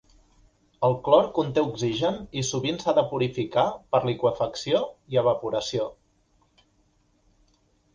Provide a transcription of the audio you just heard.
El clor conté oxigen i sovint s'ha de purificar per liqüefacció i evaporació.